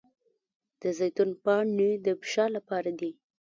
د زیتون پاڼې د فشار لپاره دي.